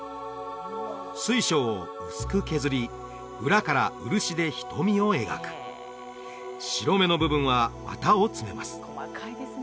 水晶を薄く削り裏から漆で瞳を描く白目の部分は綿を詰めます